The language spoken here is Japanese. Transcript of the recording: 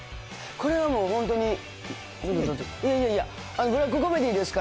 これはもう、本当に。